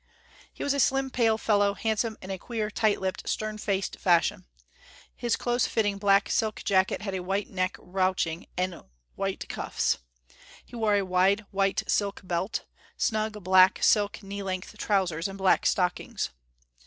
He was a slim, pale fellow, handsome in a queer, tight lipped, stern faced fashion. His close fitting black silk jacket had a white neck ruching and white cuffs; he wore a wide white silk belt, snug black silk knee length trousers and black stockings.